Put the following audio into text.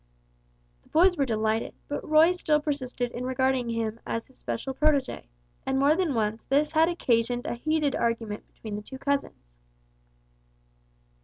The boys were delighted, but Roy still persisted in regarding him as his special protégé, and more than once this had occasioned a heated argument between the two cousins.